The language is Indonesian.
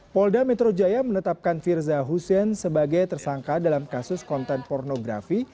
polda metro jaya menetapkan firza hussein sebagai tersangka dalam kasus konten pornografi